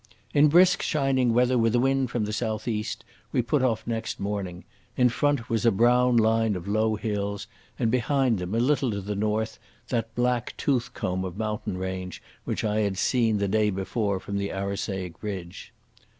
In brisk, shining weather, with a wind from the south east, we put off next morning. In front was a brown line of low hills, and behind them, a little to the north, that black toothcomb of mountain range which I had seen the day before from the Arisaig ridge.